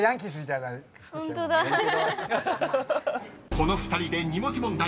［この２人で２文字問題